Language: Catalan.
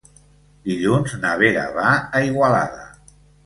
Dilluns na Vera va a Igualada.